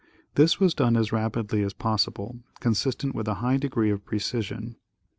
This was done as rapidly as possible, consistent with a high degree of precision.